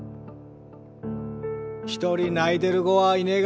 一人泣いてる子はいねが。